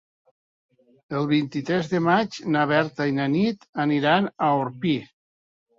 El vint-i-tres de maig na Berta i na Nit aniran a Orpí.